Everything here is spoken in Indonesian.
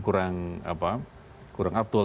kurang apa kurang aktual